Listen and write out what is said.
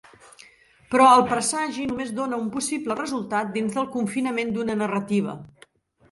Però el presagi només dona un possible resultat dins del confinament d'una narrativa.